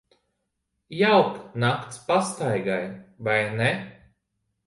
Jauka nakts pastaigai, vai ne?